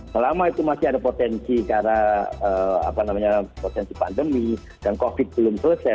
selama itu masih ada potensi karena potensi pandemi dan covid belum selesai